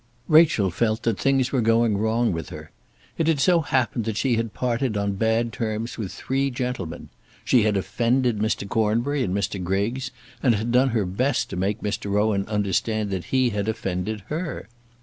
Rachel felt that things were going wrong with her. It had so happened that she had parted on bad terms with three gentlemen. She had offended Mr. Cornbury and Mr. Griggs, and had done her best to make Mr. Rowan understand that he had offended her!